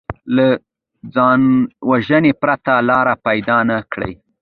له ځانوژنې پرته لاره پیدا نه کړي